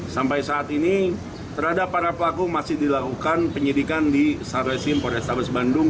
sampai saat ini terhadap para pelaku masih dilakukan penyidikan di sar resim polrestabes bandung